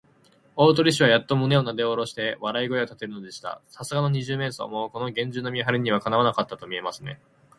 大鳥氏はやっと胸をなでおろして、笑い声をたてるのでした。さすがの二十面相も、このげんじゅうな見はりには、かなわなかったとみえますね。